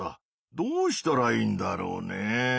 どうしたらいいんだろうね。